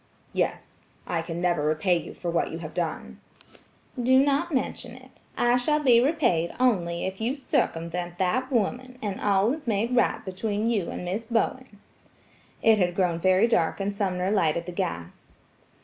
"Yes; I can never repay you for what you have done." "Do not mention it. I shall be repaid if only you circumvent that woman, and all is made right between you and Miss Bowen." It had grown very dark and Sumner lighted the gas.